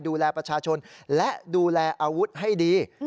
ดูแลประชาชนและดูแลอาวุธให้ดี